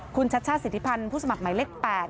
คุณชัชชาติสิทธิพันธ์ผู้สมัครหมายเลข๘